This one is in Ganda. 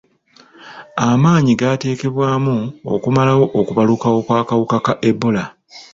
Amaanyi gateekebwamu okumalawo okubalukawo kw'akawuka ka ebola.